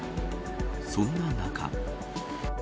そんな中。